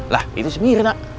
lah itu sendiri nak